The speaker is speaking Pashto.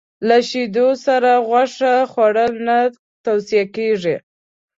د شیدو سره غوښه خوړل نه توصیه کېږي.